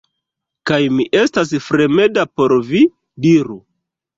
Kaj mi estas fremda por vi, diru?